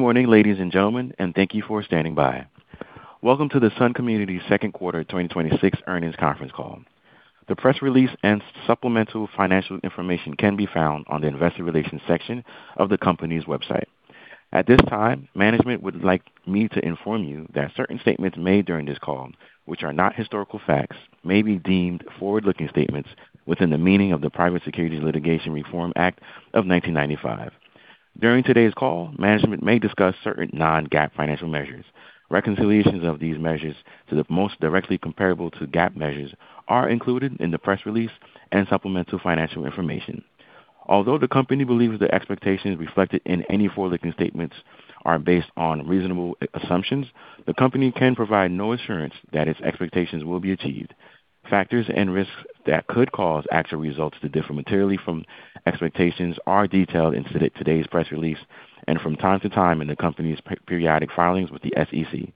Good morning, ladies and gentlemen, and thank you for standing by. Welcome to the Sun Communities Second Quarter 2026 Earnings Conference Call. The press release and supplemental financial information can be found on the investor relations section of the company's website. At this time, management would like me to inform you that certain statements made during this call, which are not historical facts, may be deemed forward-looking statements within the meaning of the Private Securities Litigation Reform Act of 1995. During today's call, management may discuss certain non-GAAP financial measures. Reconciliations of these measures to the most directly comparable to GAAP measures are included in the press release and supplemental financial information. Although the company believes the expectations reflected in any forward-looking statements are based on reasonable assumptions, the company can provide no assurance that its expectations will be achieved. Factors and risks that could cause actual results to differ materially from expectations are detailed in today's press release and from time to time in the company's periodic filings with the SEC.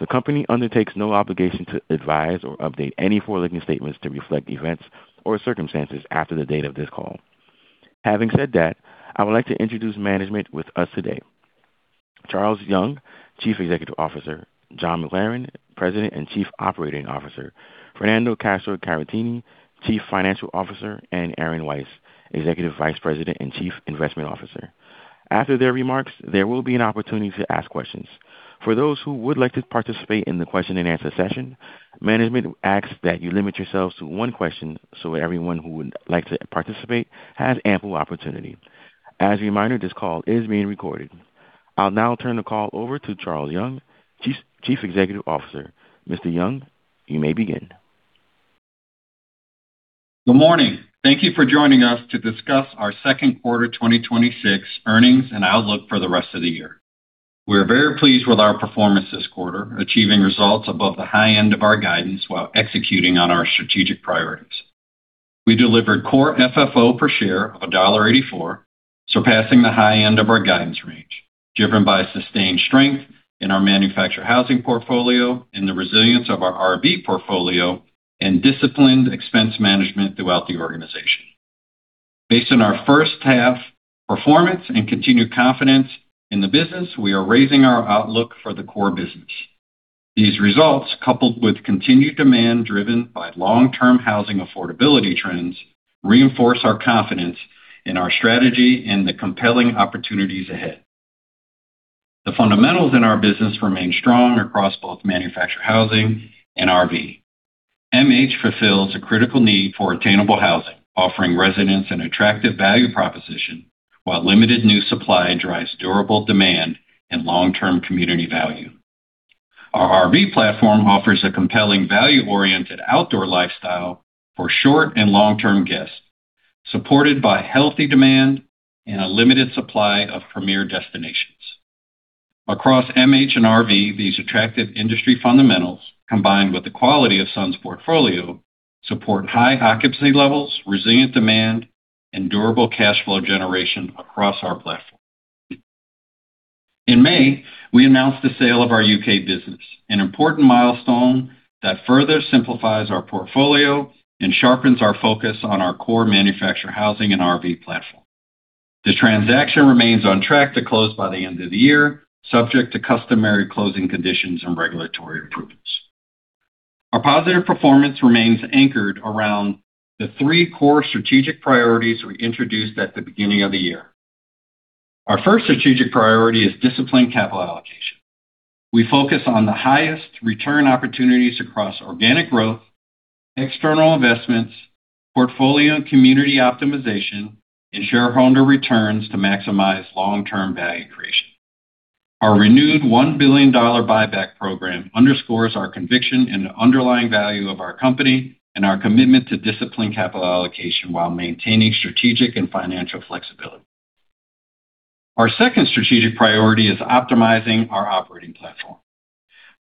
The company undertakes no obligation to advise or update any forward-looking statements to reflect events or circumstances after the date of this call. Having said that, I would like to introduce management with us today. Charles Young, Chief Executive Officer, John McLaren, President and Chief Operating Officer, Fernando Castro-Caratini, Chief Financial Officer, and Aaron Weiss, Executive Vice President and Chief Investment Officer. After their remarks, there will be an opportunity to ask questions. For those who would like to participate in the question and answer session, management asks that you limit yourselves to one question so everyone who would like to participate has ample opportunity. As a reminder, this call is being recorded. I'll now turn the call over to Charles Young, Chief Executive Officer. Mr. Young, you may begin. Good morning. Thank you for joining us to discuss our second quarter 2026 earnings and outlook for the rest of the year. We are very pleased with our performance this quarter, achieving results above the high end of our guidance while executing on our strategic priorities. We delivered Core FFO per share of $1.84, surpassing the high end of our guidance range, driven by sustained strength in our manufactured housing portfolio and the resilience of our RV portfolio and disciplined expense management throughout the organization. Based on our first half performance and continued confidence in the business, we are raising our outlook for the core business. These results, coupled with continued demand driven by long-term housing affordability trends, reinforce our confidence in our strategy and the compelling opportunities ahead. The fundamentals in our business remain strong across both manufactured housing and RV. MH fulfills a critical need for attainable housing, offering residents an attractive value proposition, while limited new supply drives durable demand and long-term community value. Our RV platform offers a compelling value-oriented outdoor lifestyle for short and long-term guests, supported by healthy demand and a limited supply of premier destinations. Across MH and RV, these attractive industry fundamentals, combined with the quality of Sun's portfolio, support high occupancy levels, resilient demand, and durable cash flow generation across our platform. In May, we announced the sale of our U.K. business, an important milestone that further simplifies our portfolio and sharpens our focus on our core manufactured housing and RV platform. The transaction remains on track to close by the end of the year, subject to customary closing conditions and regulatory approvals. Our positive performance remains anchored around the three core strategic priorities we introduced at the beginning of the year. Our first strategic priority is disciplined capital allocation. We focus on the highest return opportunities across organic growth, external investments, portfolio and community optimization, and shareholder returns to maximize long-term value creation. Our renewed $1 billion buyback program underscores our conviction in the underlying value of our company and our commitment to disciplined capital allocation while maintaining strategic and financial flexibility. Our second strategic priority is optimizing our operating platform.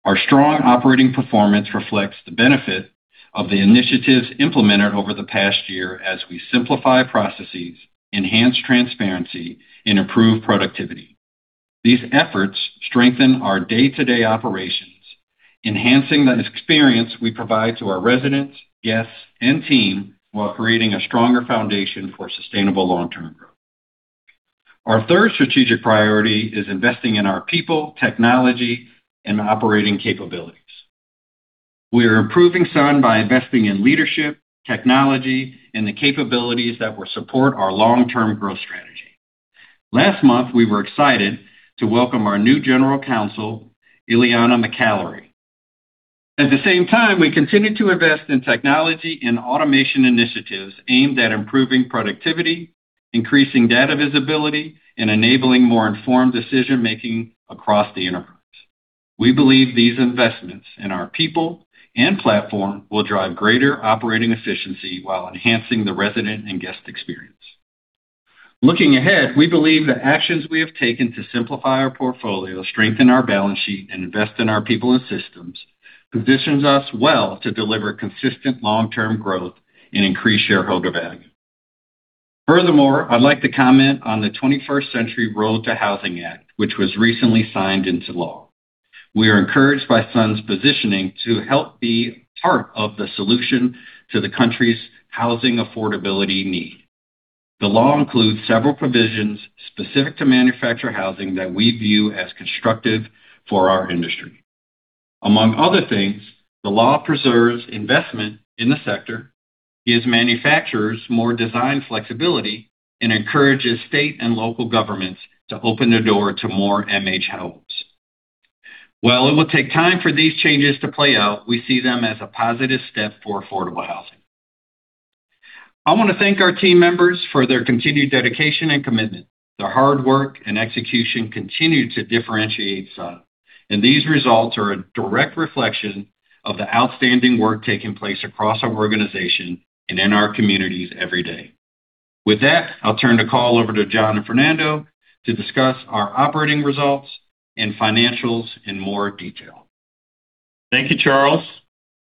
Our strong operating performance reflects the benefit of the initiatives implemented over the past year as we simplify processes, enhance transparency, and improve productivity. These efforts strengthen our day-to-day operations, enhancing the experience we provide to our residents, guests, and team while creating a stronger foundation for sustainable long-term growth. Our third strategic priority is investing in our people, technology, and operating capabilities. We are improving Sun by investing in leadership, technology, and the capabilities that will support our long-term growth strategy. Last month, we were excited to welcome our new General Counsel, Ileana McAlary. At the same time, we continue to invest in technology and automation initiatives aimed at improving productivity, increasing data visibility, and enabling more informed decision-making across the enterprise. We believe these investments in our people and platform will drive greater operating efficiency while enhancing the resident and guest experience. Looking ahead, we believe the actions we have taken to simplify our portfolio, strengthen our balance sheet, and invest in our people and systems positions us well to deliver consistent long-term growth and increase shareholder value. Furthermore, I'd like to comment on the 21st Century Road to Housing Act, which was recently signed into law. We are encouraged by Sun's positioning to help be part of the solution to the country's housing affordability need. The law includes several provisions specific to manufactured housing that we view as constructive for our industry. Among other things, the law preserves investment in the sector, gives manufacturers more design flexibility, and encourages state and local governments to open their door to more MH homes. While it will take time for these changes to play out, we see them as a positive step for affordable housing. I want to thank our team members for their continued dedication and commitment. Their hard work and execution continue to differentiate Sun, and these results are a direct reflection of the outstanding work taking place across our organization and in our communities every day. With that, I'll turn the call over to John and Fernando to discuss our operating results and financials in more detail. Thank you, Charles.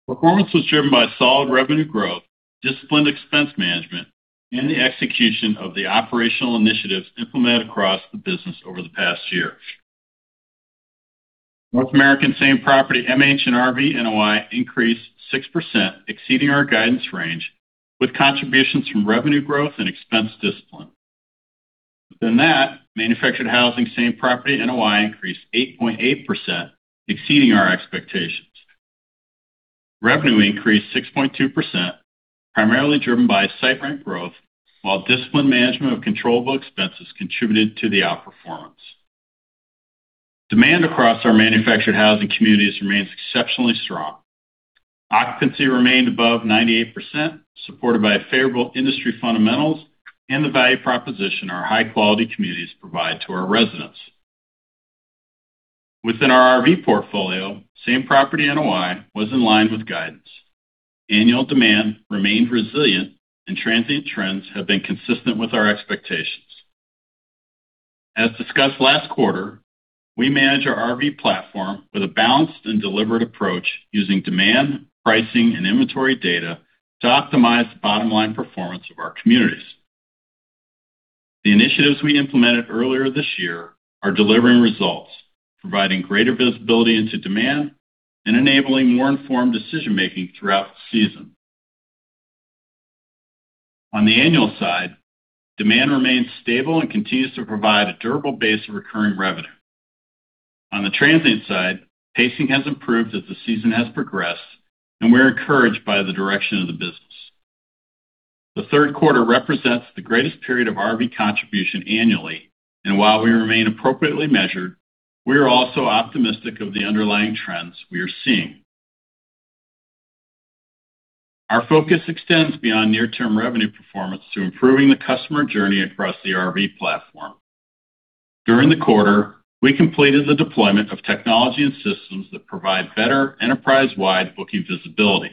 Performance was driven by solid revenue growth, disciplined expense management, and the execution of the operational initiatives implemented across the business over the past year. North American same-property MH and RV NOI increased 6%, exceeding our guidance range, with contributions from revenue growth and expense discipline. Within that, manufactured housing same-property NOI increased 8.8%, exceeding our expectations. Revenue increased 6.2%, primarily driven by site rent growth, while disciplined management of controllable expenses contributed to the outperformance. Demand across our manufactured housing communities remains exceptionally strong. Occupancy remained above 98%, supported by favorable industry fundamentals and the value proposition our high-quality communities provide to our residents. Within our RV portfolio, same-property NOI was in line with guidance. Annual demand remained resilient, and transient trends have been consistent with our expectations. As discussed last quarter, we manage our RV platform with a balanced and deliberate approach using demand, pricing, and inventory data to optimize the bottom-line performance of our communities. The initiatives we implemented earlier this year are delivering results, providing greater visibility into demand, and enabling more informed decision-making throughout the season. On the annual side, demand remains stable and continues to provide a durable base of recurring revenue. On the transient side, pacing has improved as the season has progressed, and we're encouraged by the direction of the business. The third quarter represents the greatest period of RV contribution annually, and while we remain appropriately measured, we are also optimistic of the underlying trends we are seeing. Our focus extends beyond near-term revenue performance to improving the customer journey across the RV platform. During the quarter, we completed the deployment of technology and systems that provide better enterprise-wide booking visibility.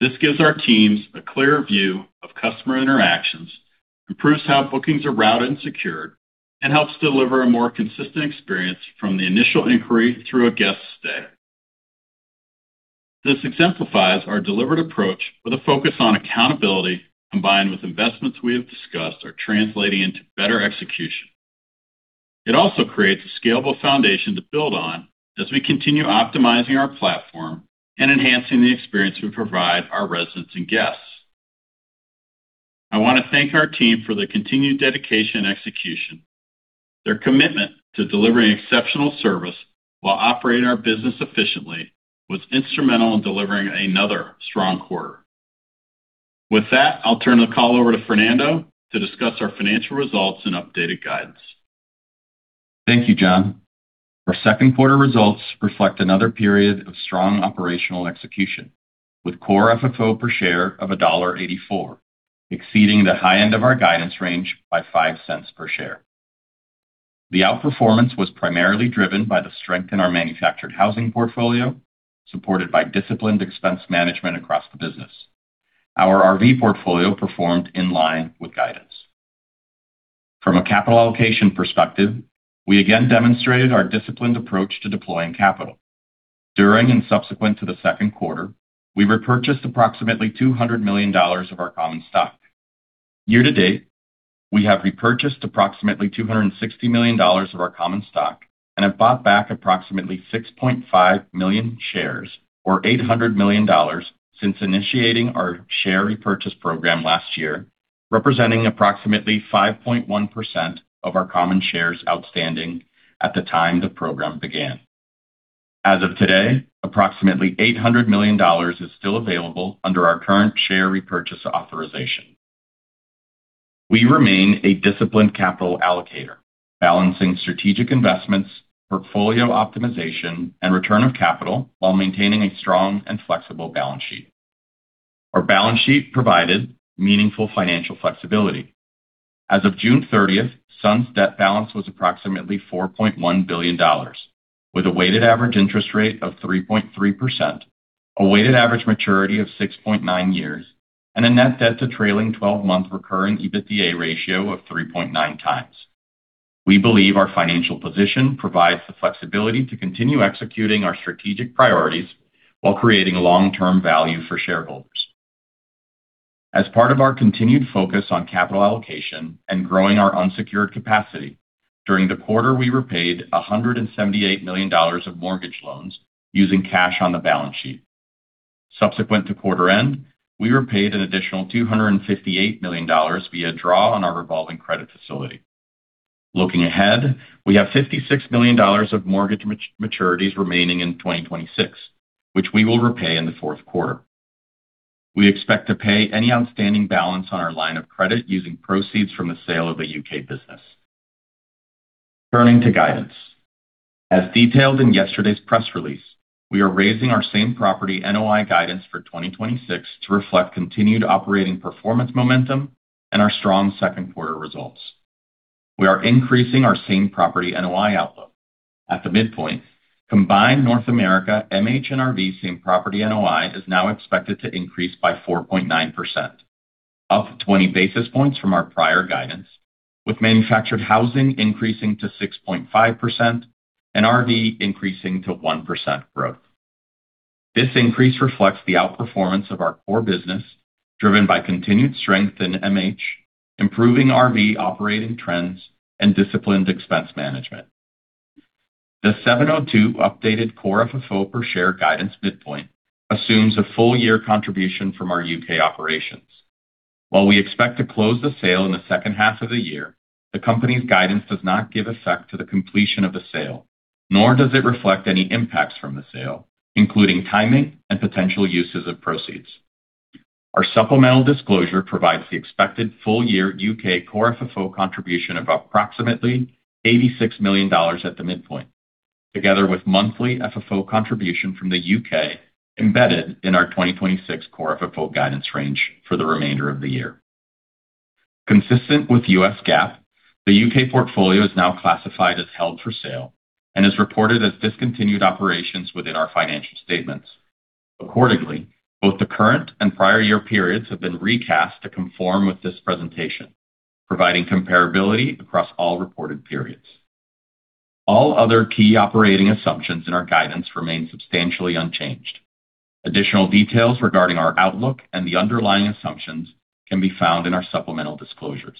This gives our teams a clearer view of customer interactions, improves how bookings are routed and secured, and helps deliver a more consistent experience from the initial inquiry through a guest stay. This exemplifies our deliberate approach with a focus on accountability combined with investments we have discussed are translating into better execution. It also creates a scalable foundation to build on as we continue optimizing our platform and enhancing the experience we provide our residents and guests. I want to thank our team for their continued dedication and execution. Their commitment to delivering exceptional service while operating our business efficiently was instrumental in delivering another strong quarter. With that, I'll turn the call over to Fernando to discuss our financial results and updated guidance. Thank you, John. Our second quarter results reflect another period of strong operational execution, with Core FFO per share of $1.84, exceeding the high end of our guidance range by $0.05 per share. The outperformance was primarily driven by the strength in our manufactured housing portfolio, supported by disciplined expense management across the business. Our RV portfolio performed in line with guidance. From a capital allocation perspective, we again demonstrated our disciplined approach to deploying capital. During and subsequent to the second quarter, we repurchased approximately $200 million of our common stock. Year-to-date, we have repurchased approximately $260 million of our common stock and have bought back approximately 6.5 million shares, or $800 million since initiating our share repurchase program last year, representing approximately 5.1% of our common shares outstanding at the time the program began. As of today, approximately $800 million is still available under our current share repurchase authorization. We remain a disciplined capital allocator, balancing strategic investments, portfolio optimization, and return of capital while maintaining a strong and flexible balance sheet. Our balance sheet provided meaningful financial flexibility. As of June 30th, Sun's debt balance was approximately $4.1 billion, with a weighted average interest rate of 3.3%, a weighted average maturity of 6.9 years, and a net debt to trailing 12-month recurring EBITDA ratio of 3.9x. We believe our financial position provides the flexibility to continue executing our strategic priorities while creating long-term value for shareholders. As part of our continued focus on capital allocation and growing our unsecured capacity, during the quarter, we repaid $178 million of mortgage loans using cash on the balance sheet. Subsequent to quarter end, we repaid an additional $258 million via draw on our revolving credit facility. Looking ahead, we have $56 million of mortgage maturities remaining in 2026, which we will repay in the fourth quarter. We expect to pay any outstanding balance on our line of credit using proceeds from the sale of a U.K. business. Turning to guidance. As detailed in yesterday's press release, we are raising our same property NOI guidance for 2026 to reflect continued operating performance momentum and our strong second quarter results. We are increasing our same property NOI outlook. At the midpoint, combined North America MH and RV same property NOI is now expected to increase by 4.9%, up 20 basis points from our prior guidance, with manufactured housing increasing to 6.5% and RV increasing to 1% growth. This increase reflects the outperformance of our core business, driven by continued strength in MH, improving RV operating trends, and disciplined expense management. The $7.02 updated Core FFO per share guidance midpoint assumes a full year contribution from our U.K. operations. While we expect to close the sale in the second half of the year, the company's guidance does not give effect to the completion of the sale, nor does it reflect any impacts from the sale, including timing and potential uses of proceeds. Our supplemental disclosure provides the expected full year U.K. Core FFO contribution of approximately $86 million at the midpoint, together with monthly FFO contribution from the U.K. embedded in our 2026 Core FFO guidance range for the remainder of the year. Consistent with the U.S. GAAP, the U.K. portfolio is now classified as held for sale and is reported as discontinued operations within our financial statements. Accordingly, both the current and prior year periods have been recast to conform with this presentation, providing comparability across all reported periods. All other key operating assumptions in our guidance remain substantially unchanged. Additional details regarding our outlook and the underlying assumptions can be found in our supplemental disclosures.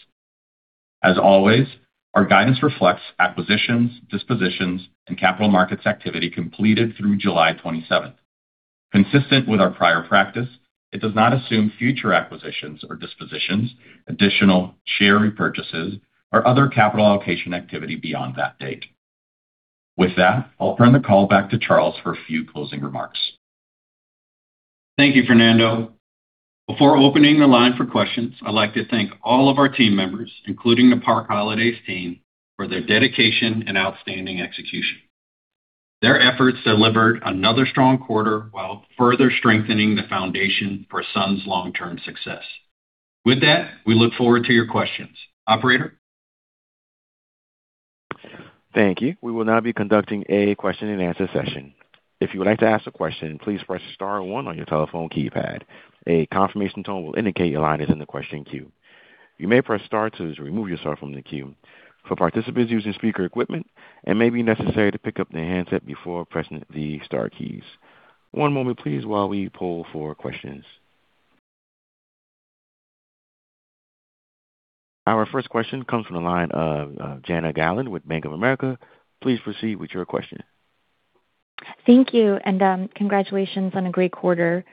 As always, our guidance reflects acquisitions, dispositions, and capital markets activity completed through July 27th. Consistent with our prior practice, it does not assume future acquisitions or dispositions, additional share repurchases, or other capital allocation activity beyond that date. With that, I'll turn the call back to Charles for a few closing remarks. Thank you, Fernando. Before opening the line for questions, I'd like to thank all of our team members, including the Park Holidays team, for their dedication and outstanding execution. Their efforts delivered another strong quarter while further strengthening the foundation for Sun's long-term success. With that, we look forward to your questions. Operator? Thank you. We will now be conducting a question and answer session. If you would like to ask a question, please press star one on your telephone keypad. A confirmation tone will indicate your line is in the question queue. You may press star two to remove yourself from the queue. For participants using speaker equipment, it may be necessary to pick up the handset before pressing the star keys. One moment please, while we poll for questions. Our first question comes from the line of Jana Galan with Bank of America. Please proceed with your question. Thank you. Congratulations on a great quarter.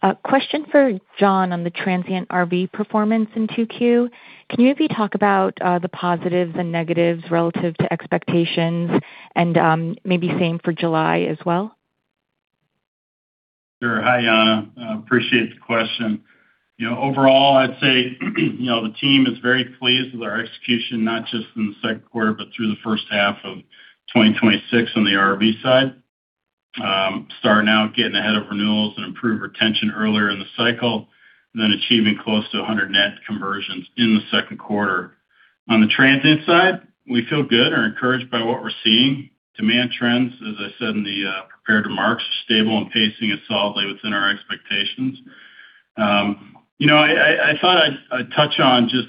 A question for John on the transient RV performance in 2Q. Can you maybe talk about the positives and negatives relative to expectations and maybe same for July as well? Sure. Hi, Jana. I appreciate the question. Overall, I'd say, the team is very pleased with our execution, not just in the second quarter, but through the first half of 2026 on the RV side. Starting out getting ahead of renewals and improved retention earlier in the cycle, then achieving close to 100 net conversions in the second quarter. On the transient side, we feel good or encouraged by what we're seeing. Demand trends, as I said in the prepared remarks, are stable and pacing is solidly within our expectations. I thought I'd touch on just,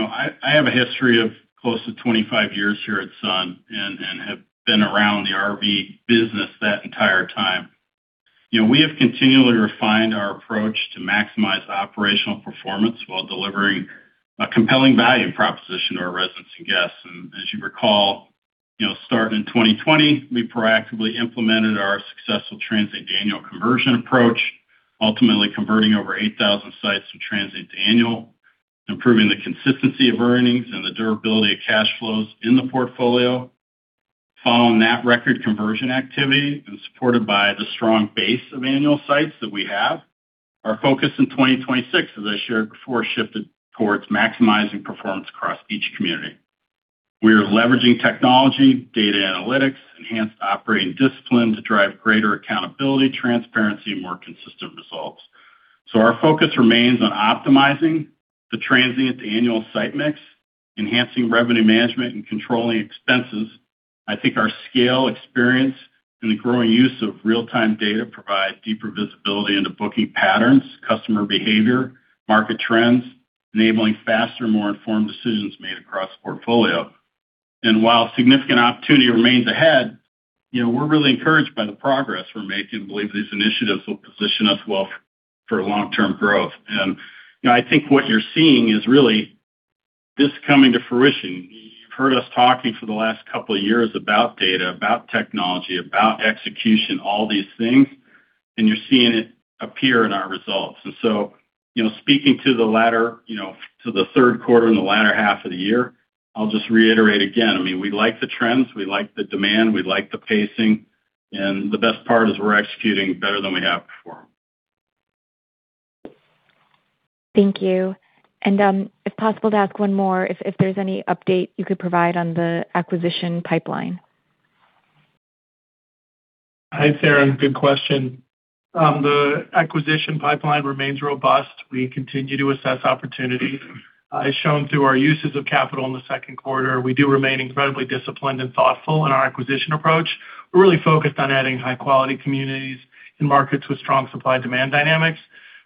I have a history of close to 25 years here at Sun and have been around the RV business that entire time. We have continually refined our approach to maximize operational performance while delivering a compelling value proposition to our residents and guests. As you recall, starting in 2020, we proactively implemented our successful transient to annual conversion approach, ultimately converting over 8,000 sites from transient to annual, improving the consistency of earnings and the durability of cash flows in the portfolio. Following that record conversion activity and supported by the strong base of annual sites that we have. Our focus in 2026, as I shared before, shifted towards maximizing performance across each community. We are leveraging technology, data analytics, enhanced operating discipline to drive greater accountability, transparency, and more consistent results. Our focus remains on optimizing the transient to annual site mix, enhancing revenue management, and controlling expenses. I think our scale, experience, and the growing use of real-time data provides deeper visibility into booking patterns, customer behavior, market trends, enabling faster, more informed decisions made across the portfolio. While significant opportunity remains ahead, we're really encouraged by the progress we're making. We believe these initiatives will position us well for long-term growth. I think what you're seeing is really this coming to fruition. You've heard us talking for the last couple of years about data, about technology, about execution, all these things, and you're seeing it appear in our results. Speaking to the latter, to the third quarter and the latter half of the year, I'll just reiterate again, we like the trends, we like the demand, we like the pacing, and the best part is we're executing better than we have before. Thank you. If possible, to ask one more, if there's any update you could provide on the acquisition pipeline. Hi, It's Aaron. Good question. The acquisition pipeline remains robust. We continue to assess opportunities. As shown through our uses of capital in the second quarter, we do remain incredibly disciplined and thoughtful in our acquisition approach. We're really focused on adding high-quality communities in markets with strong supply-demand dynamics.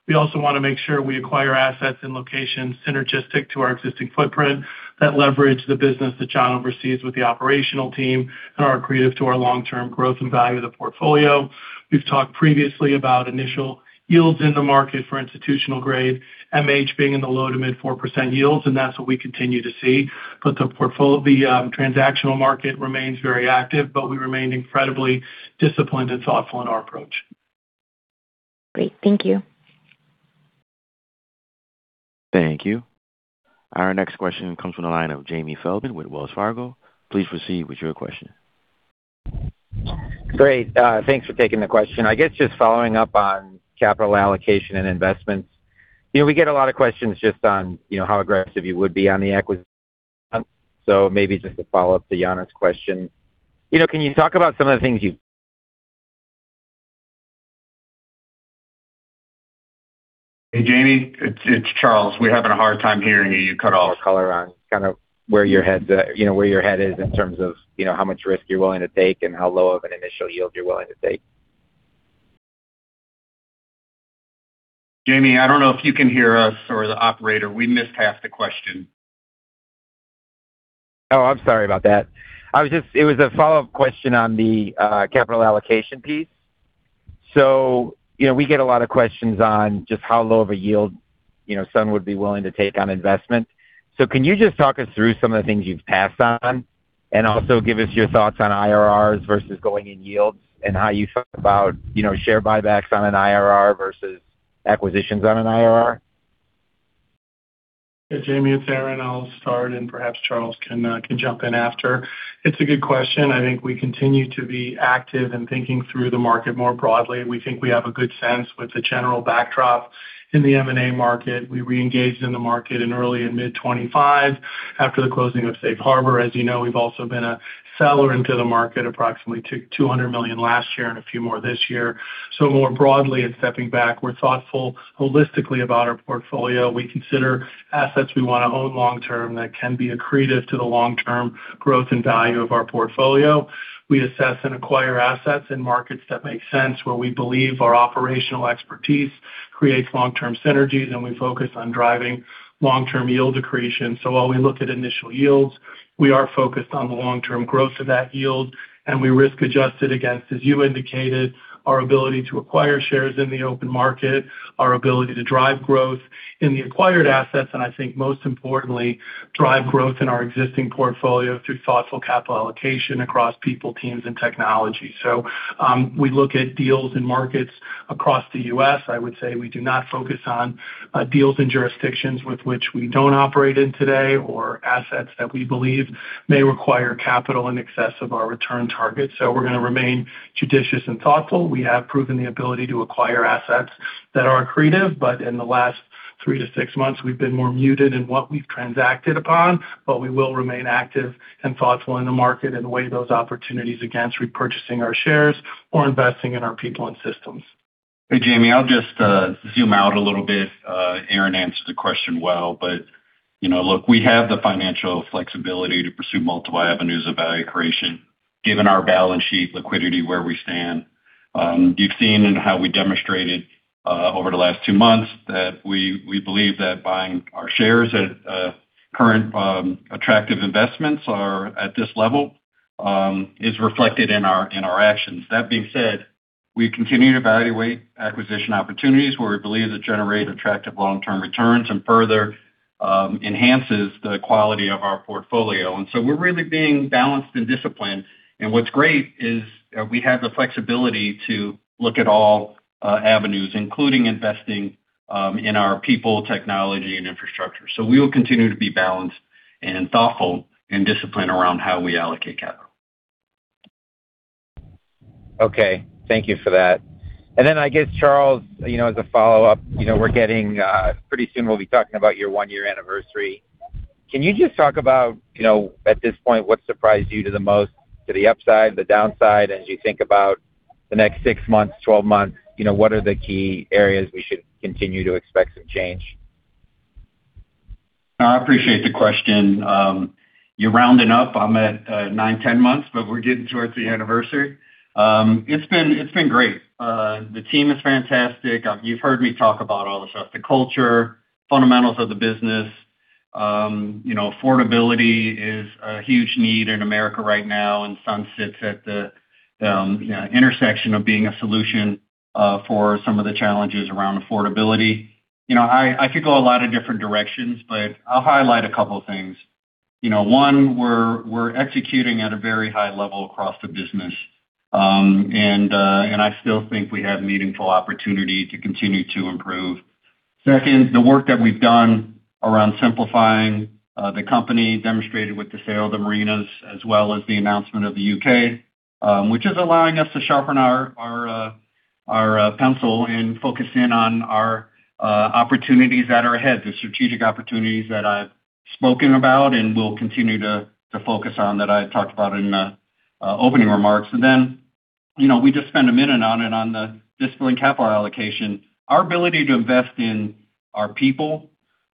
We also want to make sure we acquire assets in locations synergistic to our existing footprint that leverage the business that John oversees with the operational team and are accretive to our long-term growth and value of the portfolio. We've talked previously about initial yields in the market for institutional grade, MH being in the low to mid 4% yields, and that's what we continue to see. The transactional market remains very active, but we remain incredibly disciplined and thoughtful in our approach. Great. Thank you. Thank you. Our next question comes from the line of Jamie Feldman with Wells Fargo. Please proceed with your question. Great. Thanks for taking the question. I guess just following up on capital allocation and investments. We get a lot of questions just on how aggressive you would be on the acquisition. Maybe just to follow up to Jana's question. Can you talk about some of the things you. Hey, Jamie, it's Charles. We're having a hard time hearing you. You cut off. more color on kind of where your head is in terms of how much risk you're willing to take and how low of an initial yield you're willing to take. Jamie, I don't know if you can hear us or the operator. We missed half the question. Oh, I'm sorry about that. It was a follow-up question on the capital allocation piece. We get a lot of questions on just how low of a yield Sun would be willing to take on investment. Can you just talk us through some of the things you've passed on, and also give us your thoughts on IRRs versus going in yields and how you think about share buybacks on an IRR versus acquisitions on an IRR? Jamie, it's Aaron. I'll start and perhaps Charles can jump in after. It's a good question. I think we continue to be active in thinking through the market more broadly. We think we have a good sense with the general backdrop in the M&A market. We reengaged in the market in early and mid 2025 after the closing of Safe Harbor. As you know, we've also been a seller into the market, approximately $200 million last year and a few more this year. More broadly and stepping back, we're thoughtful holistically about our portfolio. We consider assets we want to own long-term that can be accretive to the long-term growth and value of our portfolio. We assess and acquire assets in markets that make sense, where we believe our operational expertise creates long-term synergies, and we focus on driving long-term yield accretion. While we look at initial yields, we are focused on the long-term growth of that yield, and we risk adjust it against, as you indicated, our ability to acquire shares in the open market, our ability to drive growth in the acquired assets, and I think most importantly, drive growth in our existing portfolio through thoughtful capital allocation across people, teams, and technology. We look at deals in markets across the U.S. I would say we do not focus on deals in jurisdictions with which we don't operate in today or assets that we believe may require capital in excess of our return targets. We're going to remain judicious and thoughtful. We have proven the ability to acquire assets that are accretive, but in the last three-six months, we've been more muted in what we've transacted upon, but we will remain active and thoughtful in the market and weigh those opportunities against repurchasing our shares or investing in our people and systems. Jamie, I'll just zoom out a little bit. Aaron answered the question well, look, we have the financial flexibility to pursue multiple avenues of value creation given our balance sheet liquidity where we stand. You've seen in how we demonstrated over the last two months that we believe that buying our shares at current attractive investments are at this level is reflected in our actions. That being said, we continue to evaluate acquisition opportunities where we believe they generate attractive long-term returns and further enhances the quality of our portfolio. We're really being balanced and disciplined. What's great is we have the flexibility to look at all avenues, including investing in our people, technology, and infrastructure. We will continue to be balanced and thoughtful and disciplined around how we allocate capital. Okay. Thank you for that. I guess, Charles, as a follow-up, pretty soon we'll be talking about your one-year anniversary. Can you just talk about, at this point, what surprised you the most to the upside, the downside, as you think about the next six months, 12 months, what are the key areas we should continue to expect some change? I appreciate the question. You're rounding up. I'm at nine, 10 months, but we're getting towards the anniversary. It's been great. The team is fantastic. You've heard me talk about all the stuff, the culture fundamentals of the business. Affordability is a huge need in America right now, and Sun sits at the intersection of being a solution for some of the challenges around affordability. I could go a lot of different directions, but I'll highlight a couple of things. One, we're executing at a very high level across the business. I still think we have meaningful opportunity to continue to improve. Second, the work that we've done around simplifying the company, demonstrated with the sale of the marinas as well as the announcement of the U.K., which is allowing us to sharpen our pencil and focus in on our opportunities that are ahead, the strategic opportunities that I've spoken about and we'll continue to focus on, that I talked about in the opening remarks. We just spend a minute on it on the disciplined capital allocation. Our ability to invest in our people,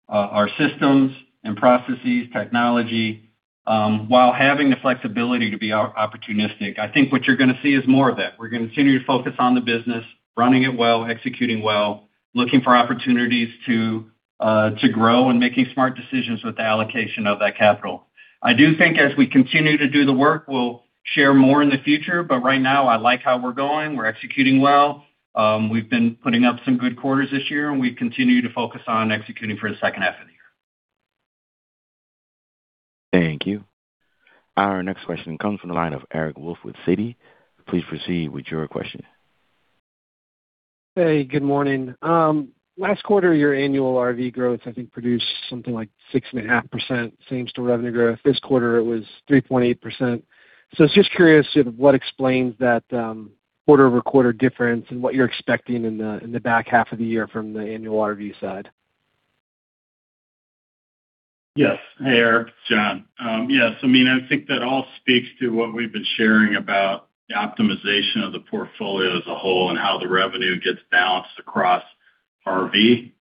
our systems and processes, technology, while having the flexibility to be opportunistic. I think what you're going to see is more of that. We're going to continue to focus on the business, running it well, executing well, looking for opportunities to grow, and making smart decisions with the allocation of that capital. I do think as we continue to do the work, we'll share more in the future, but right now, I like how we're going. We're executing well. We've been putting up some good quarters this year. We continue to focus on executing for the second half of the year. Thank you. Our next question comes from the line of Eric Wolfe with Citi. Please proceed with your question. Hey, good morning. Last quarter, your annual RV growth, I think, produced something like 6.5% same-store revenue growth. This quarter, it was 3.8%. Just curious what explains that quarter-over-quarter difference and what you're expecting in the back half of the year from the annual RV side. Yes. Hey, Eric. It's John. Yes, I think that all speaks to what we've been sharing about the optimization of the portfolio as a whole and how the revenue gets balanced across RV.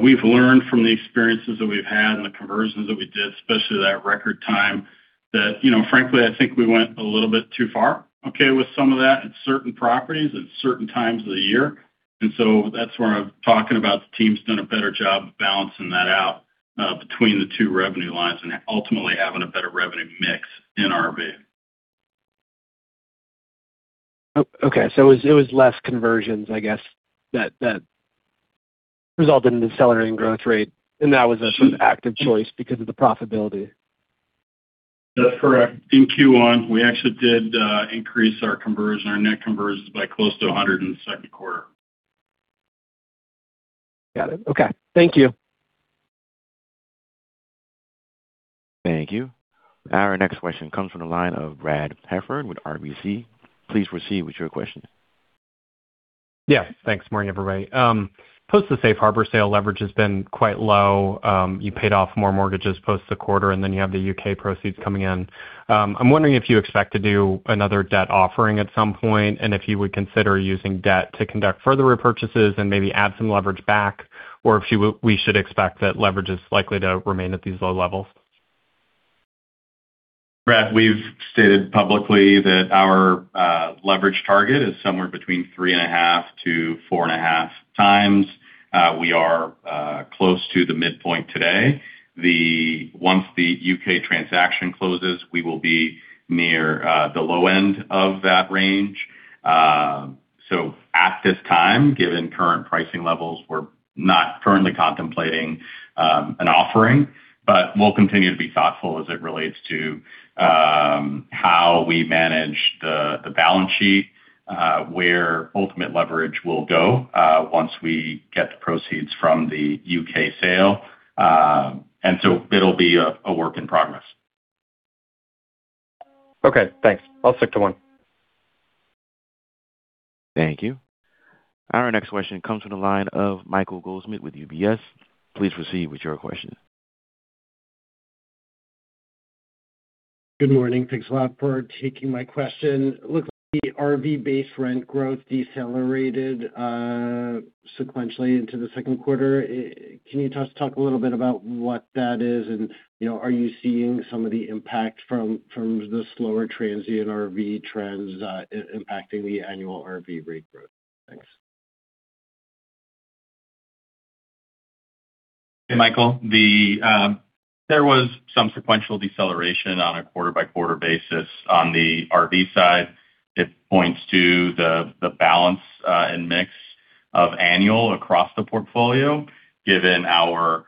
We've learned from the experiences that we've had and the conversions that we did, especially that record time, that frankly, I think we went a little bit too far, okay, with some of that at certain properties at certain times of the year. That's where I'm talking about the team's done a better job of balancing that out between the two revenue lines and ultimately having a better revenue mix in RV. Okay, it was less conversions, I guess, that resulted in decelerating growth rate, and that was an active choice because of the profitability. That's correct. In Q1, we actually did increase our conversion, our net conversions, by close to 100 in the second quarter. Got it. Okay. Thank you. Thank you. Our next question comes from the line of Brad Heffern with RBC. Please proceed with your question. Yeah. Thanks. Morning, everybody. Post the Safe Harbor sale, leverage has been quite low. You paid off more mortgages post the quarter, and then you have the U.K. proceeds coming in. I'm wondering if you expect to do another debt offering at some point, and if you would consider using debt to conduct further repurchases and maybe add some leverage back, or if we should expect that leverage is likely to remain at these low levels. Brad, we've stated publicly that our leverage target is somewhere between 3.5x to 4.5x. We are close to the midpoint today. Once the U.K. transaction closes, we will be near the low end of that range. At this time, given current pricing levels, we're not currently contemplating an offering, but we'll continue to be thoughtful as it relates to how we manage the balance sheet, where ultimate leverage will go once we get the proceeds from the U.K. sale. It'll be a work in progress. Okay, thanks. I'll stick to one. Thank you. Our next question comes from the line of Michael Goldsmith with UBS. Please proceed with your question. Good morning. Thanks a lot for taking my question. Looks like the RV base rent growth decelerated sequentially into the second quarter. Can you just talk a little bit about what that is? Are you seeing some of the impact from the slower transient RV trends impacting the annual RV rate growth? Thanks. Hey, Michael. There was some sequential deceleration on a quarter-by-quarter basis on the RV side. It points to the balance and mix of annual across the portfolio, given our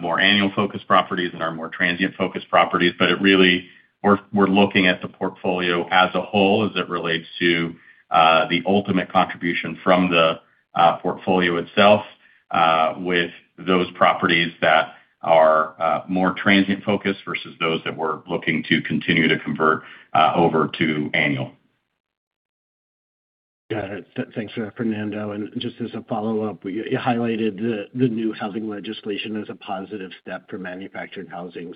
more annual-focused properties and our more transient-focused properties. Really, we're looking at the portfolio as a whole as it relates to the ultimate contribution from the portfolio itself with those properties that are more transient-focused versus those that we're looking to continue to convert over to annual. Got it. Thanks for that, Fernando. Just as a follow-up, you highlighted the new housing legislation as a positive step for manufactured housing.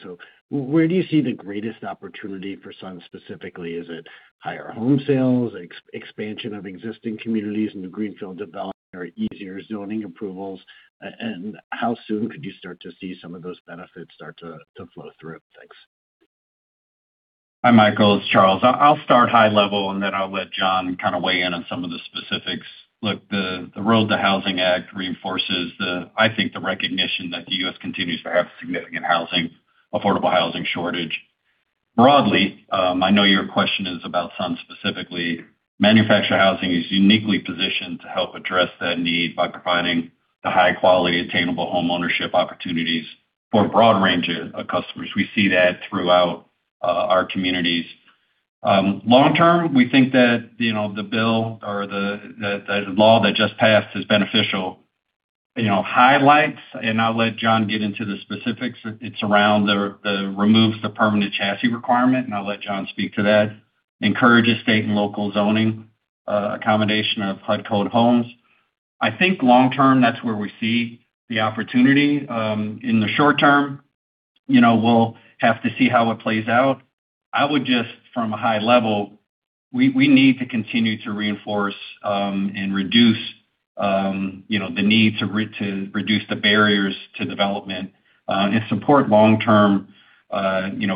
Where do you see the greatest opportunity for Sun specifically? Is it higher home sales, expansion of existing communities into greenfield development, or easier zoning approvals? How soon could you start to see some of those benefits start to flow through? Thanks. Hi Michael, it's Charles. I'll start high level. Then I'll let John kind of weigh in on some of the specifics. Look, the Road to Housing Act reinforces, I think, the recognition that the U.S. continues to have significant affordable housing shortage. Broadly, I know your question is about Sun specifically. Manufactured housing is uniquely positioned to help address that need by providing the high-quality, attainable homeownership opportunities for a broad range of customers. We see that throughout our communities. Long term, we think that the bill or the law that just passed is beneficial. Highlights, I'll let John get into the specifics, it's around the removes the permanent chassis requirement. I'll let John speak to that. Encourages state and local zoning, accommodation of HUD code homes. I think long term, that's where we see the opportunity. In the short term, we'll have to see how it plays out. I would just, from a high level, we need to continue to reinforce and reduce the need to reduce the barriers to development and support long-term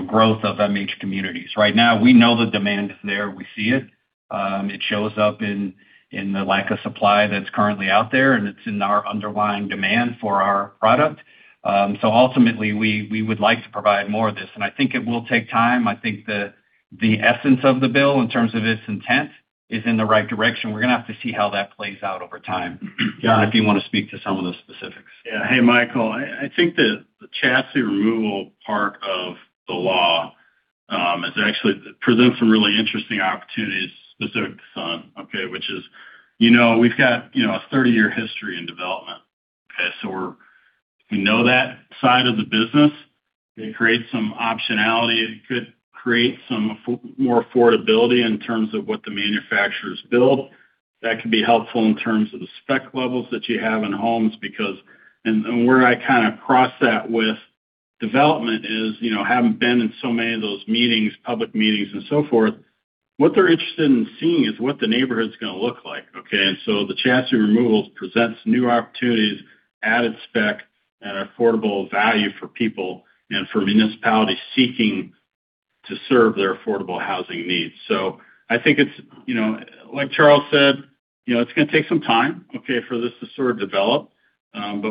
growth of MH communities. Right now, we know the demand is there. We see it. It shows up in the lack of supply that's currently out there, and it's in our underlying demand for our product. Ultimately, we would like to provide more of this. I think it will take time. I think the essence of the bill in terms of its intent is in the right direction. We're going to have to see how that plays out over time. John, if you want to speak to some of the specifics. Hey, Michael. I think the chassis removal part of the law actually presents some really interesting opportunities specific to Sun, okay. We've got a 30-year history in development. We know that side of the business. It creates some optionality. It could create some more affordability in terms of what the manufacturers build. That could be helpful in terms of the spec levels that you have in homes because, and where I kind of cross that with development is, having been in so many of those meetings, public meetings and so forth, what they're interested in seeing is what the neighborhood's going to look like, okay. The chassis removal presents new opportunities, added spec, and affordable value for people and for municipalities seeking to serve their affordable housing needs. I think it's like Charles said, it's going to take some time, okay, for this to sort of develop.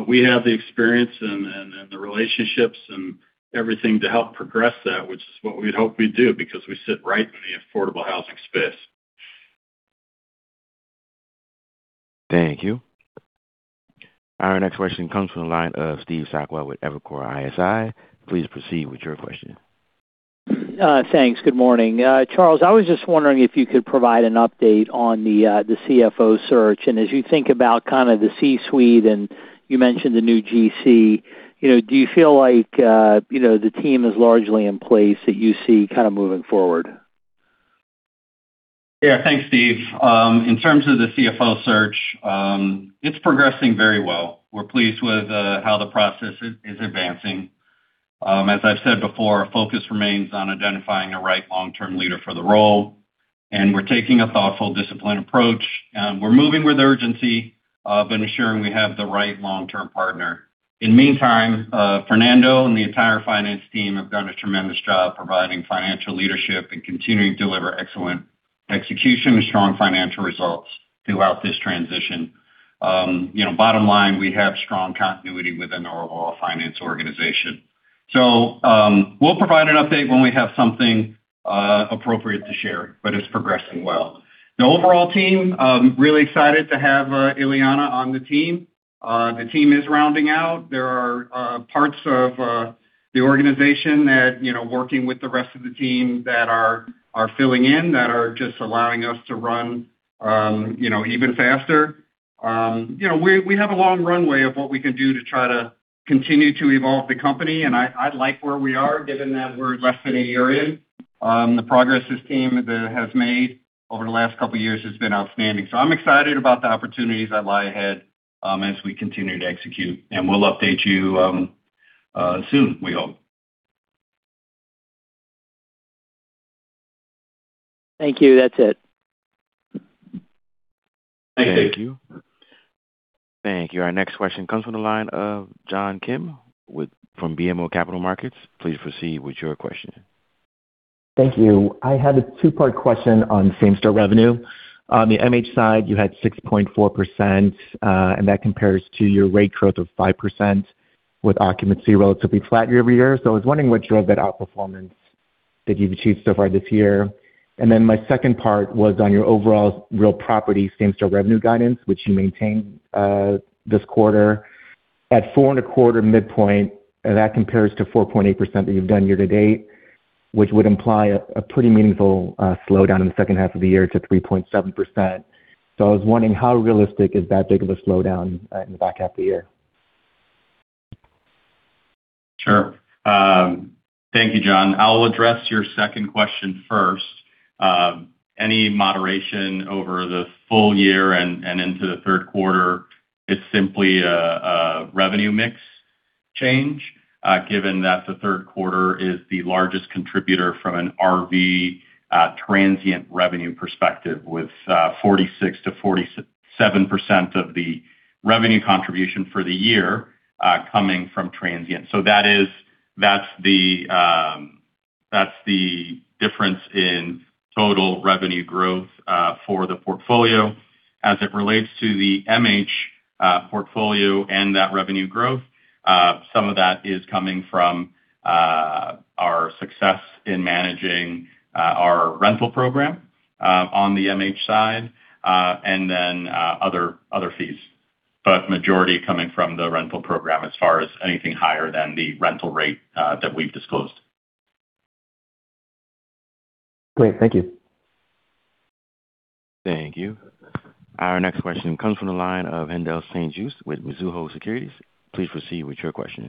We have the experience and the relationships and everything to help progress that, which is what we'd hope we'd do because we sit right in the affordable housing space. Thank you. Our next question comes from the line of Steve Sakwa with Evercore ISI. Please proceed with your question. Thanks. Good morning. Charles, I was just wondering if you could provide an update on the CFO search. As you think about kind of the C-suite, and you mentioned the new GC, do you feel like the team is largely in place that you see kind of moving forward? Thanks, Steve. In terms of the CFO search, it's progressing very well. We're pleased with how the process is advancing. As I've said before, our focus remains on identifying the right long-term leader for the role, and we're taking a thoughtful, disciplined approach. We're moving with urgency, but ensuring we have the right long-term partner. In the meantime, Fernando and the entire finance team have done a tremendous job providing financial leadership and continuing to deliver excellent execution and strong financial results throughout this transition. Bottom line, we have strong continuity within our overall finance organization. We'll provide an update when we have something appropriate to share, but it's progressing well. The overall team, really excited to have Ileana on the team. The team is rounding out. There are parts of the organization that working with the rest of the team that are filling in, that are just allowing us to run even faster. We have a long runway of what we can do to try to continue to evolve the company, and I like where we are, given that we're less than a year in. The progress this team has made over the last couple of years has been outstanding. We'll update you soon, we hope. Thank you. That's it. Thank you. Thank you. Thank you. Our next question comes from the line of John Kim from BMO Capital Markets. Please proceed with your question. Thank you. I had a two-part question on same-store revenue. On the MH side, you had 6.4%, and that compares to your rate growth of 5% with occupancy relatively flat year-over-year. I was wondering what drove that outperformance that you've achieved so far this year. My second part was on your overall real property same-store revenue guidance, which you maintained this quarter at 4.25% midpoint, and that compares to 4.8% that you've done year-to-date, which would imply a pretty meaningful slowdown in the second half of the year to 3.7%. I was wondering, how realistic is that big of a slowdown in the back half of the year? Sure. Thank you, John. I'll address your second question first. Any moderation over the full year and into the third quarter is simply a revenue mix change, given that the third quarter is the largest contributor from an RV Transient revenue perspective with 46%-47% of the revenue contribution for the year coming from transient. That's the difference in total revenue growth for the portfolio. As it relates to the MH portfolio and that revenue growth, some of that is coming from our success in managing our rental program on the MH side, other fees. Majority coming from the rental program as far as anything higher than the rental rate that we've disclosed. Great. Thank you. Thank you. Our next question comes from the line of Haendel St. Juste with Mizuho Securities. Please proceed with your question.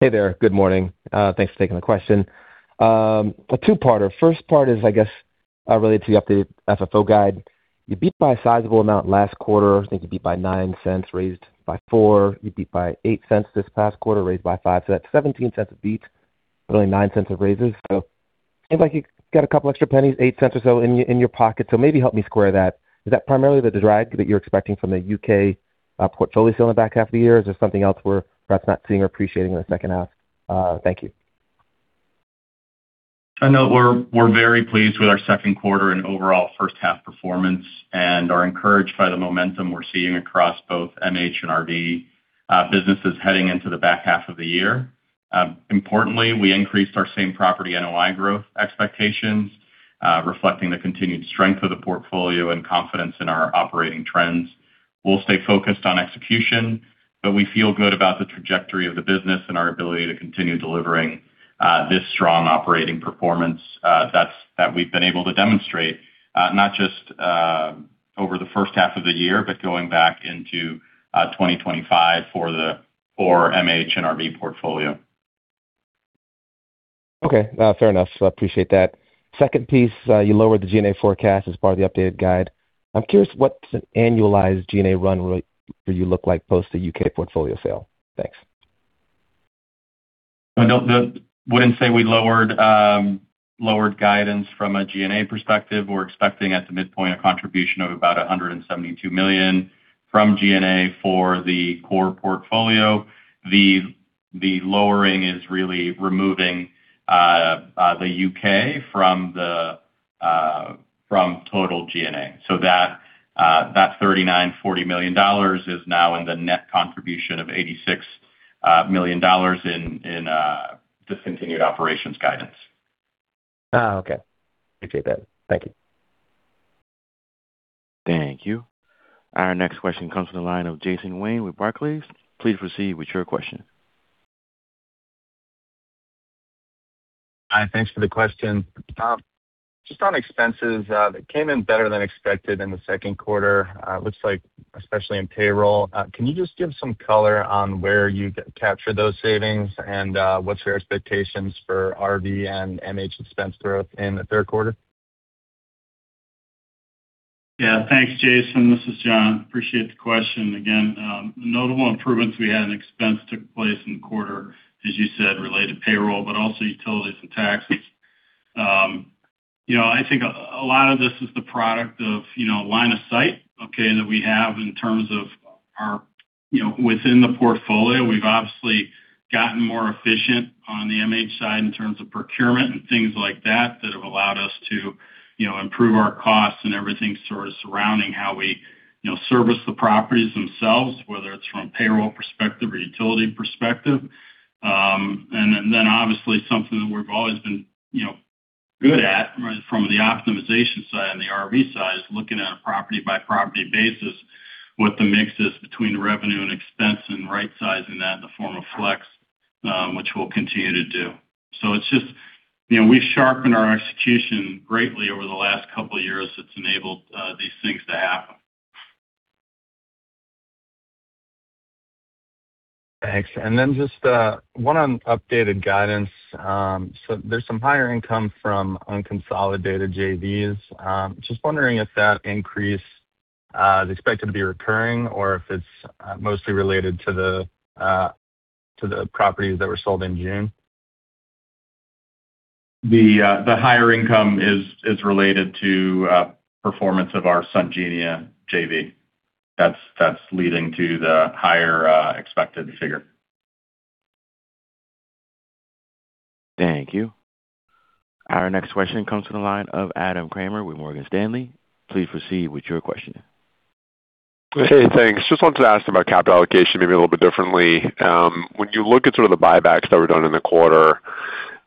Hey there. Good morning. Thanks for taking the question. A two-parter. First part is, I guess, related to the updated FFO guide. You beat by a sizable amount last quarter. I think you beat by $0.09, raised by $0.04. You beat by $0.08 this past quarter, raised by $0.05. So that's $0.17 of beats, but only $0.09 of raises. So seems like you got a couple extra pennies, $0.08 or so in your pocket. So maybe help me square that. Is that primarily the drag that you're expecting from the U.K. portfolio sale in the back half of the year? Or is there something else we're perhaps not seeing or appreciating in the second half? Thank you. I know we're very pleased with our second quarter and overall first half performance, and are encouraged by the momentum we're seeing across both MH and RV businesses heading into the back half of the year. Importantly, we increased our same property NOI growth expectations, reflecting the continued strength of the portfolio and confidence in our operating trends. We'll stay focused on execution, but we feel good about the trajectory of the business and our ability to continue delivering this strong operating performance that we've been able to demonstrate. Not just over the first half of the year, but going back into 2025 for MH and RV portfolio. Okay. Fair enough. Appreciate that. Second piece, you lowered the G&A forecast as part of the updated guide. I'm curious what's an annualized G&A run rate for you look like post the U.K. portfolio sale. Thanks. I wouldn't say we lowered guidance from a G&A perspective. We're expecting at the midpoint a contribution of about $172 million from G&A for the core portfolio. The lowering is really removing the U.K. from total G&A. That $39 million-$40 million is now in the net contribution of $86 million in discontinued operations guidance. Okay. Appreciate that. Thank you. Thank you. Our next question comes from the line of Jason Wayne with Barclays. Please proceed with your question. Hi. Thanks for the question. Just on expenses, they came in better than expected in the second quarter. Looks like especially in payroll. Can you just give some color on where you capture those savings, and what's your expectations for RV and MH expense growth in the third quarter? Yeah. Thanks, Jason. This is John. Appreciate the question. Notable improvements we had in expense took place in the quarter, as you said, related to payroll, but also utilities and taxes. I think a lot of this is the product of line of sight, okay, that we have in terms of within the portfolio. We've obviously gotten more efficient on the MH side in terms of procurement and things like that have allowed us to improve our costs and everything sort of surrounding how we service the properties themselves, whether it's from payroll perspective or utility perspective. Obviously something that we've always been good at from the optimization side and the RV side is looking at a property-by-property basis what the mix is between revenue and expense and rightsizing that in the form of flex, which we'll continue to do. We've sharpened our execution greatly over the last couple of years that's enabled these things to happen. Thanks. Just one on updated guidance. There's some higher income from unconsolidated JVs. Just wondering if that increase is expected to be recurring or if it's mostly related to the properties that were sold in June. The higher income is related to performance of our Sungenia JV. That's leading to the higher expected figure. Thank you. Our next question comes from the line of Adam Kramer with Morgan Stanley. Please proceed with your question. Hey, thanks. Just wanted to ask about capital allocation maybe a little bit differently. When you look at sort of the buybacks that were done in the quarter,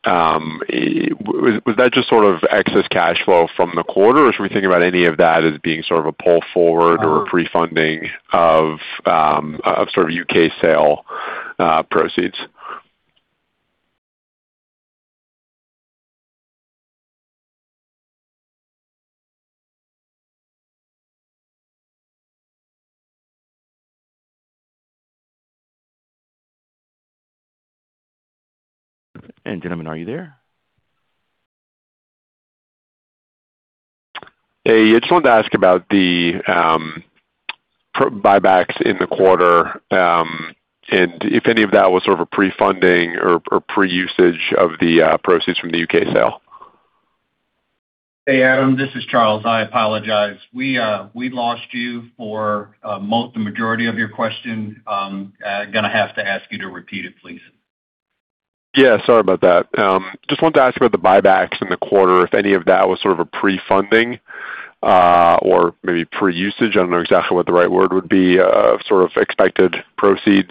was that just sort of excess cash flow from the quarter, or should we think about any of that as being sort of a pull forward or pre-funding of sort of U.K. sale proceeds? Gentlemen, are you there? Hey, I just wanted to ask about the buybacks in the quarter, and if any of that was sort of a pre-funding or pre-usage of the proceeds from the U.K. sale. Hey, Adam, this is Charles. I apologize. We lost you for the majority of your question. Gonna have to ask you to repeat it, please. Yeah, sorry about that. Just wanted to ask about the buybacks in the quarter, if any of that was sort of a pre-funding, or maybe pre-usage, I don't know exactly what the right word would be, of sort of expected proceeds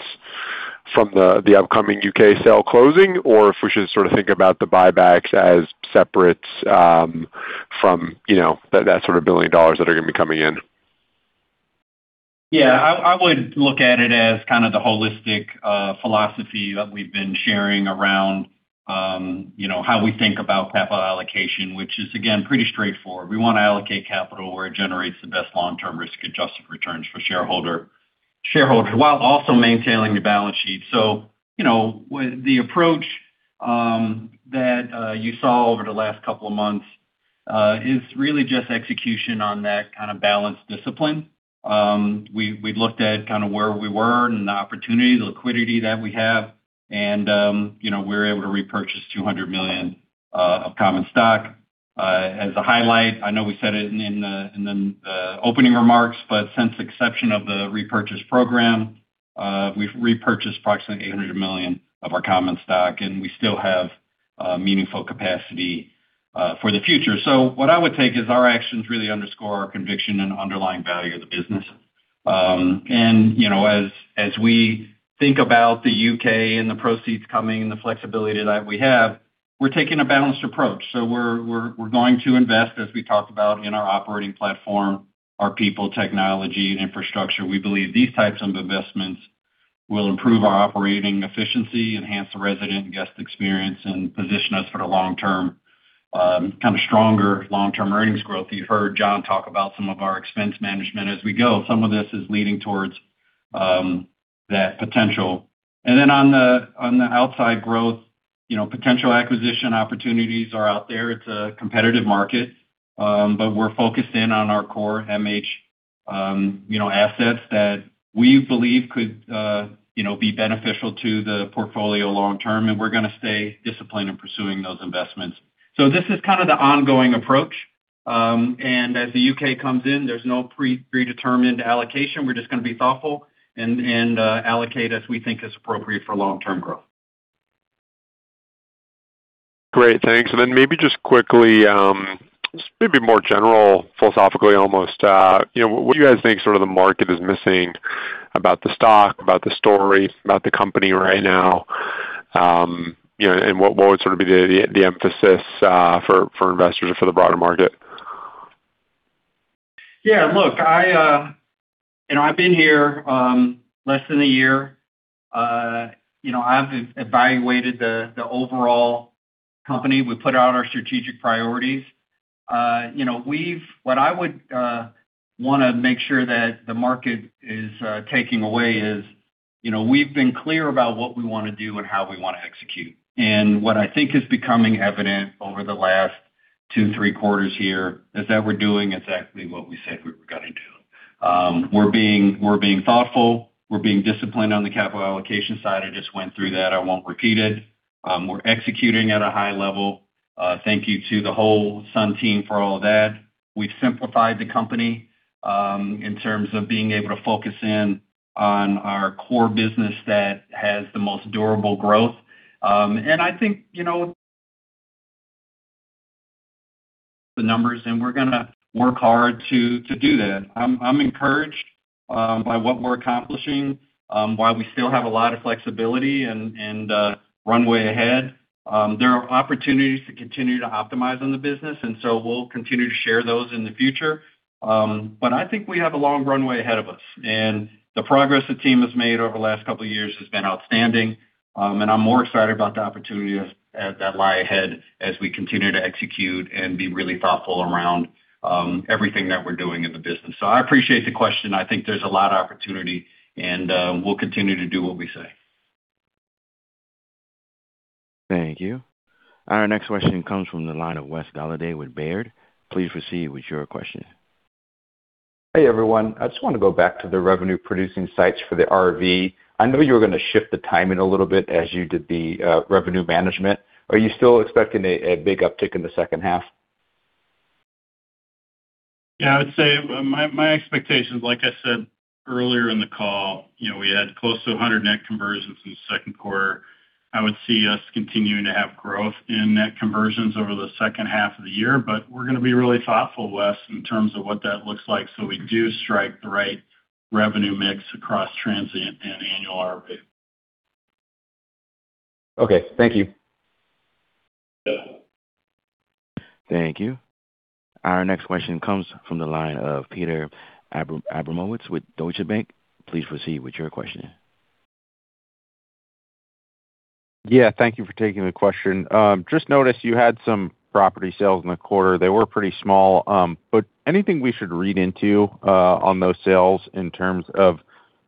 from the upcoming U.K. sale closing, or if we should sort of think about the buybacks as separate from that sort of $1 billion that are going to be coming in. Yeah, I would look at it as kind of the holistic philosophy that we've been sharing around how we think about capital allocation, which is, again, pretty straightforward. We want to allocate capital where it generates the best long-term risk-adjusted returns for shareholders, while also maintaining the balance sheet. The approach that you saw over the last couple of months, is really just execution on that kind of balanced discipline. We've looked at where we were and the opportunity, the liquidity that we have, and we were able to repurchase $200 million of common stock. As a highlight, I know we said it in the opening remarks, but since inception of the repurchase program, we've repurchased approximately $800 million of our common stock, and we still have meaningful capacity for the future. What I would take is our actions really underscore our conviction and underlying value of the business. As we think about the U.K. and the proceeds coming and the flexibility that we have, we're taking a balanced approach. We're going to invest, as we talked about, in our operating platform, our people, technology, and infrastructure. We believe these types of investments will improve our operating efficiency, enhance the resident and guest experience, and position us for the long term, kind of stronger long-term earnings growth. You've heard John talk about some of our expense management as we go. Some of this is leading towards that potential. On the outside growth, potential acquisition opportunities are out there. It's a competitive market. We're focused in on our core MH assets that we believe could be beneficial to the portfolio long term, and we're gonna stay disciplined in pursuing those investments. This is kind of the ongoing approach. As the U.K. comes in, there's no predetermined allocation. We're just gonna be thoughtful and allocate as we think is appropriate for long-term growth. Great, thanks. Maybe just quickly, maybe more general, philosophically almost, what do you guys think the market is missing about the stock, about the story, about the company right now? What would sort of be the emphasis for investors or for the broader market? Look, I've been here less than a year. I've evaluated the overall company. We put out our strategic priorities. What I would want to make sure that the market is taking away is, we've been clear about what we want to do and how we want to execute. What I think is becoming evident over the last two, three quarters here is that we're doing exactly what we said we were gonna do. We're being thoughtful, we're being disciplined on the capital allocation side. I just went through that. I won't repeat it. We're executing at a high level. Thank you to the whole Sun team for all of that. We've simplified the company, in terms of being able to focus in on our core business that has the most durable growth. I think, the numbers, and we're gonna work hard to do that. I'm encouraged by what we're accomplishing, while we still have a lot of flexibility and runway ahead. There are opportunities to continue to optimize on the business, we'll continue to share those in the future. I think we have a long runway ahead of us, the progress the team has made over the last couple of years has been outstanding. I'm more excited about the opportunities that lie ahead as we continue to execute and be really thoughtful around everything that we're doing in the business. I appreciate the question. I think there's a lot of opportunity and we'll continue to do what we say. Thank you. Our next question comes from the line of Wes Golladay with Baird. Please proceed with your question. Hey, everyone. I just want to go back to the revenue-producing sites for the RV. I know you were going to shift the timing a little bit as you did the revenue management. Are you still expecting a big uptick in the second half? Yeah. I would say my expectations, like I said earlier in the call, we had close to 100 net conversions in the second quarter. I would see us continuing to have growth in net conversions over the second half of the year, we're gonna be really thoughtful, Wes, in terms of what that looks like so we do strike the right revenue mix across transient and annual RV. Okay. Thank you. Yeah. Thank you. Our next question comes from the line of Peter Abramowitz with Deutsche Bank. Please proceed with your question. Yeah, thank you for taking the question. Just noticed you had some property sales in the quarter. They were pretty small. Anything we should read into on those sales in terms of.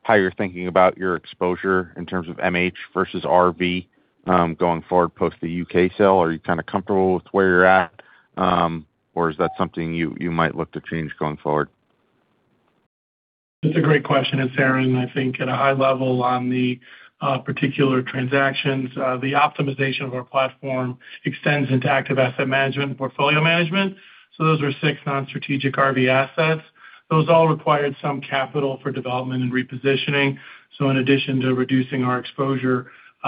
How you're thinking about your exposure in terms of MH versus RV, going forward post the U.K. sale? Are you kind of comfortable with where you're at? Or is that something you might look to change going forward? That's a great question, it's Aaron. I think at a high level on the particular transactions, the optimization of our platform extends into active asset management and portfolio management. Those were six non-strategic RV assets. Those all required some capital for development and repositioning. In addition to reducing our exposure,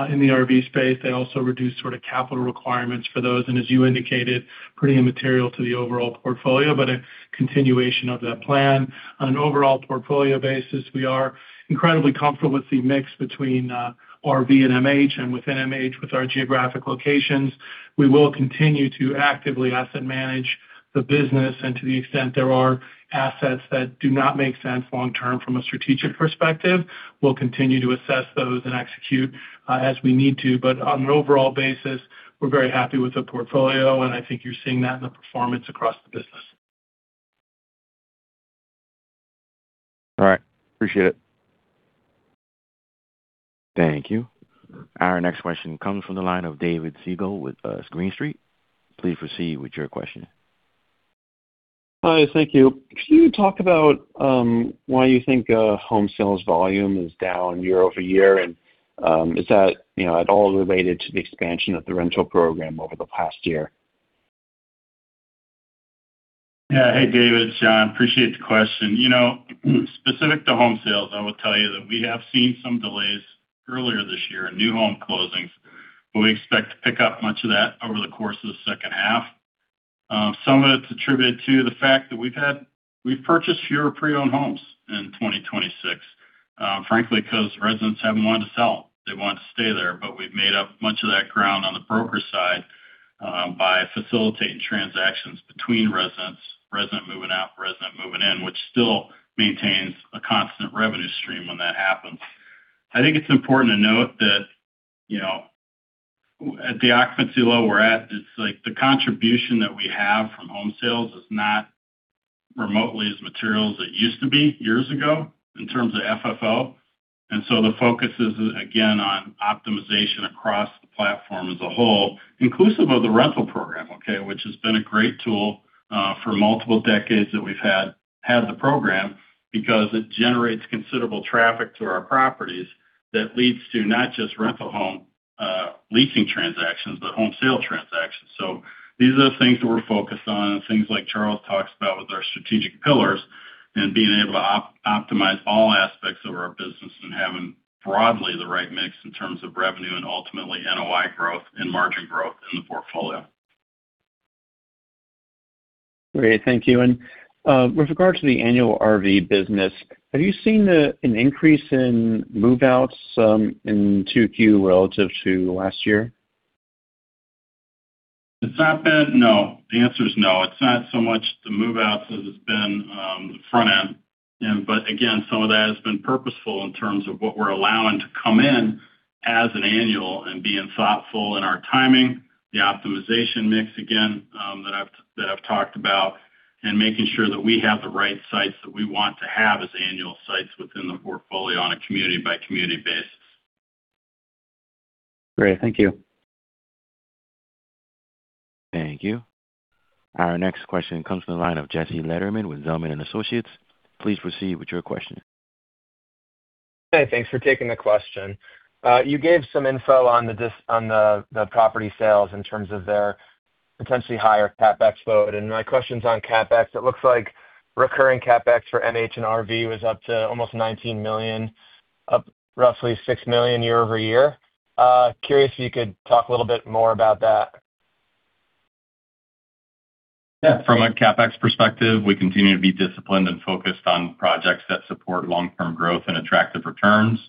in the RV space, they also reduced sort of capital requirements for those, and as you indicated, pretty immaterial to the overall portfolio, but a continuation of that plan. On an overall portfolio basis, we are incredibly comfortable with the mix between RV and MH, and within MH, with our geographic locations. We will continue to actively asset manage the business. To the extent there are assets that do not make sense long term from a strategic perspective, we'll continue to assess those and execute as we need to. On an overall basis, we're very happy with the portfolio, and I think you're seeing that in the performance across the business. All right. Appreciate it. Thank you. Our next question comes from the line of David Segall with Green Street. Please proceed with your question. Hi. Thank you. Can you talk about why you think home sales volume is down year-over-year? Is that at all related to the expansion of the rental program over the past year? Yeah. Hey, David, it's John. Appreciate the question. Specific to home sales, I will tell you that we have seen some delays earlier this year in new home closings, but we expect to pick up much of that over the course of the second half. Some of it's attributed to the fact that we've purchased fewer pre-owned homes in 2026, frankly, because residents haven't wanted to sell. They want to stay there. We've made up much of that ground on the broker side, by facilitating transactions between residents, resident moving out, resident moving in, which still maintains a constant revenue stream when that happens. I think it's important to note that at the occupancy level we're at, it's like the contribution that we have from home sales is not remotely as material as it used to be years ago in terms of FFO. The focus is, again, on optimization across the platform as a whole, inclusive of the rental program, okay? Which has been a great tool for multiple decades that we've had the program because it generates considerable traffic to our properties. That leads to not just rental home leasing transactions, but home sale transactions. These are the things that we're focused on, things like Charles talks about with our strategic pillars and being able to optimize all aspects of our business and having broadly the right mix in terms of revenue and ultimately NOI growth and margin growth in the portfolio. Great. Thank you. With regard to the annual RV business, have you seen an increase in move-outs in 2Q relative to last year? No, the answer is no. It's not so much the move-outs as it's been the front end. Again, some of that has been purposeful in terms of what we're allowing to come in as an annual and being thoughtful in our timing, the optimization mix again, that I've talked about, and making sure that we have the right sites that we want to have as annual sites within the portfolio on a community by community basis. Great. Thank you. Thank you. Our next question comes from the line of Jesse Lederman with Zelman & Associates. Please proceed with your question. Hey, thanks for taking the question. You gave some info on the property sales in terms of their potentially higher CapEx load. My question's on CapEx. It looks like recurring CapEx for MH and RV was up to almost $19 million, up roughly $6 million year-over-year. Curious if you could talk a little bit more about that. From a CapEx perspective, we continue to be disciplined and focused on projects that support long-term growth and attractive returns.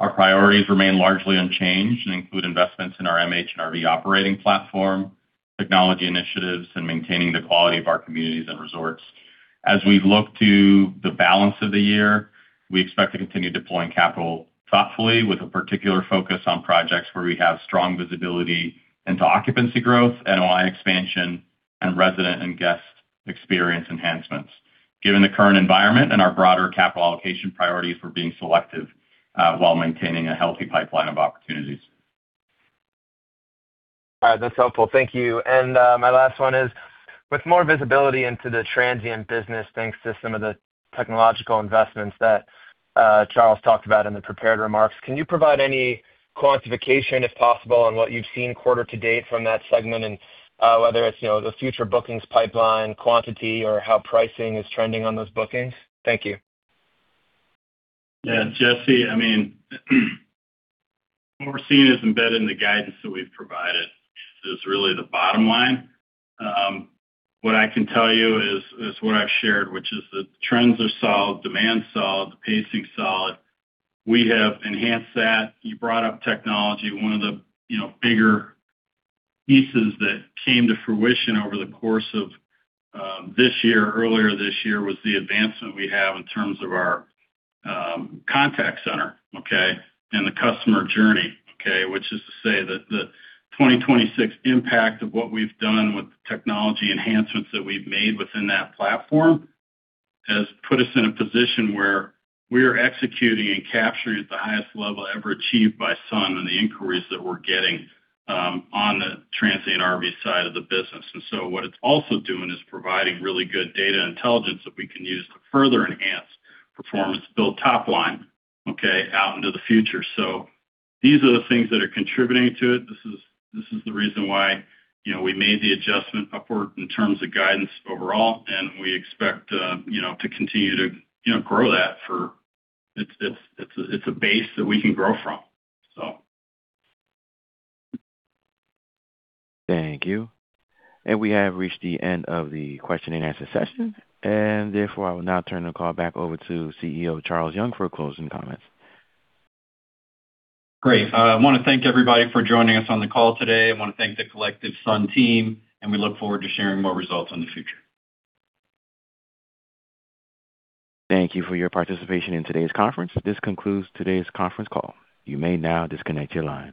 Our priorities remain largely unchanged and include investments in our MH and RV operating platform, technology initiatives, and maintaining the quality of our communities and resorts. As we look to the balance of the year, we expect to continue deploying capital thoughtfully with a particular focus on projects where we have strong visibility into occupancy growth, NOI expansion, and resident and guest experience enhancements. Given the current environment and our broader capital allocation priorities, we're being selective, while maintaining a healthy pipeline of opportunities. All right. That's helpful. Thank you. My last one is: with more visibility into the transient business, thanks to some of the technological investments that Charles talked about in the prepared remarks, can you provide any quantification, if possible, on what you've seen quarter to date from that segment and whether it's the future bookings pipeline quantity or how pricing is trending on those bookings? Thank you. Yeah, Jesse, I mean, what we're seeing is embedded in the guidance that we've provided is really the bottom line. What I can tell you is what I've shared, which is that the trends are solid, demand's solid, the pacing's solid. We have enhanced that. You brought up technology. One of the bigger pieces that came to fruition over the course of this year, earlier this year, was the advancement we have in terms of our contact center and the customer journey? Which is to say that the 2026 impact of what we've done with the technology enhancements that we've made within that platform has put us in a position where we are executing and capturing at the highest level ever achieved by Sun on the inquiries that we're getting on the transient RV side of the business. What it's also doing is providing really good data intelligence that we can use to further enhance performance, build top line out into the future. These are the things that are contributing to it. This is the reason why we made the adjustment upward in terms of guidance overall, and we expect to continue to grow that for, it's a base that we can grow from. Thank you. We have reached the end of the question and answer session, therefore, I will now turn the call back over to CEO Charles Young for closing comments. Great. I want to thank everybody for joining us on the call today. I want to thank the collective Sun team, we look forward to sharing more results in the future. Thank you for your participation in today's conference. This concludes today's conference call. You may now disconnect your line.